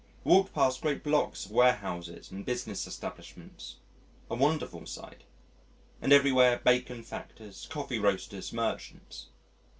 Walked past great blocks of warehouses and business establishments a wonderful sight; and everywhere bacon factors, coffee roasters, merchants.